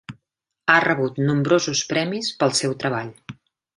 Ha rebut nombrosos premis pel seu treball.